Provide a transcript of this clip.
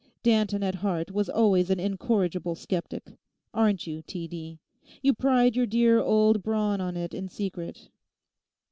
Danton at heart was always an incorrigible sceptic. Aren't you, T. D.? You pride your dear old brawn on it in secret?